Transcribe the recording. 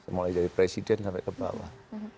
mulai dari presiden sampai kebawah